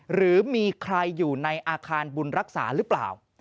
หรือมีใครอยู่ในอาคารบุญรักษาหรือเปล่า